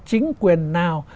chính quyền nào